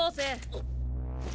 あっ。